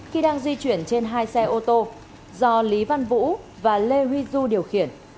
khi đang di chuyển trên hai xe ô tô do lý văn vũ và lê huy du điều khiển